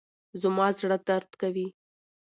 زما زړه درد کوي.